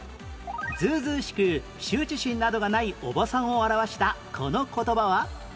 ずうずうしく羞恥心などがないおばさんを表したこの言葉は？